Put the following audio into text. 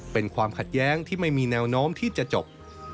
เป็นความขัดแย้งที่ไม่มีแนวโน้มที่จะจบ